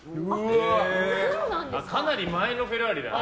かなり前のフェラーリだな。